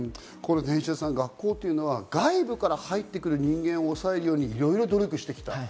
石田さん、学校というのは外部から入ってくる人間を抑えるように色々努力してきた。